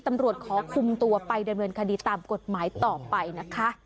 ตำรวจขอคุมตัวไปดำเนินคดีตามกฎหมายต่อไปนะคะ